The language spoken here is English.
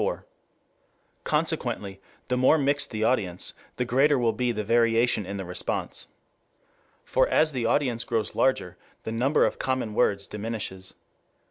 IV.] Consequently the more mixed the audience, the greater will be the variation in the response. For as the audience grows larger, the number of common words diminishes.